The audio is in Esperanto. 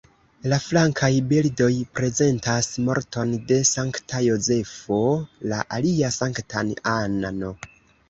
La flankaj bildoj prezentas morton de Sankta Jozefo, la alia Sanktan Anna-n.